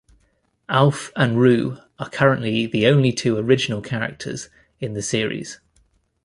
Alf and Roo are currently the only two original characters in the series.